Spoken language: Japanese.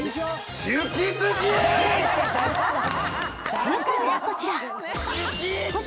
正解はこちら。